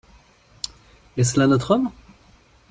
Est-ce là notre homme ?